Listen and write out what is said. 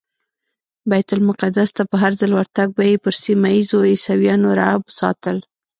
بیت المقدس ته په هرځل ورتګ به یې پر سیمه ایزو عیسویانو رعب ساتل.